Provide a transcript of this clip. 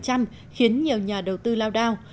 đã sụt tới ba mươi khiến nhiều nhà đầu tư lao đao